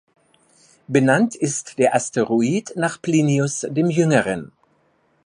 Benannt ist der Asteroid nach Plinius dem Jüngeren.